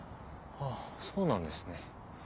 あっそうなんですね。